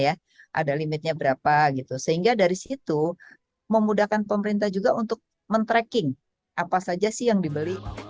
ada limitnya berapa gitu sehingga dari situ memudahkan pemerintah juga untuk men tracking apa saja sih yang dibeli